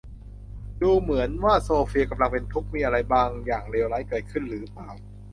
ดูเหมือนว่าโซเฟียกำลังเป็นทุกข์ มีอะไรบางอย่างเลวร้ายเกิดขึ้นหรือเปล่า ?